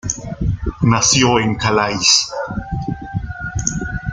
Nació en Calais.